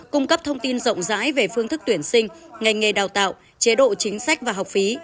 cung cấp thông tin rộng rãi về phương thức tuyển sinh ngành nghề đào tạo chế độ chính sách và học phí